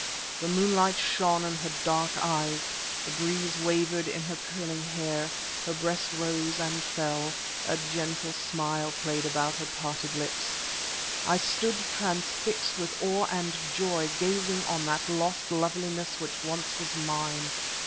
The moonlight shone in her dark eyes, the breeze wavered in her curling hair, her breast rose and fell, a gentle smile played about her parted lips. I stood transfixed with awe and joy, gazing on that lost loveliness which once was mine.